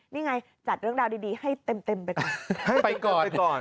นี่ไงจัดเรื่องราวดีให้เต็มไปก่อน